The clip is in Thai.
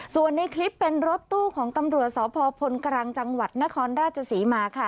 ส่วนในคลิปเป็นรถตู้ของตำรวจสพพลกรังจังหวัดนครราชศรีมาค่ะ